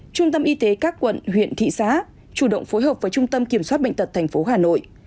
trung tâm y tế các quận huyện thị xã chủ động phối hợp với trung tâm kiểm soát bệnh tật tp hà nội